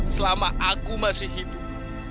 selama aku masih hidup